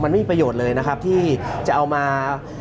มันไม่มีประโยชน์เลยนะครับที่จะเอามา